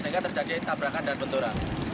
sehingga terjadi tabrakan dan benturan